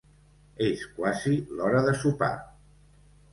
És quasi l"hora de sopar.